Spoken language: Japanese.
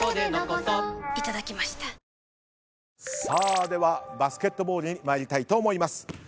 さあではバスケットボールに参りたいと思います。